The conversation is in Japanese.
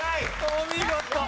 お見事。